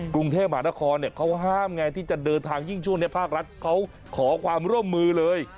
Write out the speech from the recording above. กรุงเทพมหานครเขาห้ามไงที่จะเดินทางยิ่งช่วงนี้ภาครัฐเขาขอความร่วมมือเลย